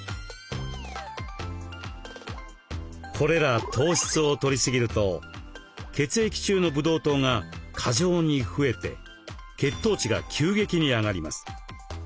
これら糖質をとり過ぎると血液中のブドウ糖が過剰に増えて血糖値が急激に上がります。